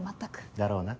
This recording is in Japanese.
だろうな。